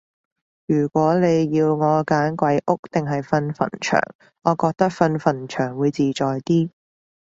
如果你要我揀鬼屋定係瞓墳場，我覺得瞓墳場會自在啲